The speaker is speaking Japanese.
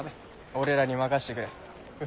俺らに任せてくれい。